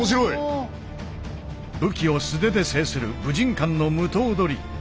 武器を素手で制する武神館の無刀捕。